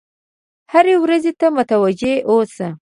هرې ورځې ته متوجه اوسه.